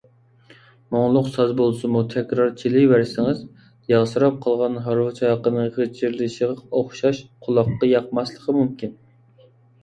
مۇڭلۇق ساز بولسىمۇ تەكرار چېلىۋەرسىڭىز، ياغسىراپ قالغان ھارۋا چاقىنىڭ غىچىرلىشىغا ئوخشاش قۇلاققا ياقماسلىقى مۇمكىن.